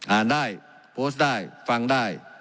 อ่านได้โพสต์ได้ฟังได้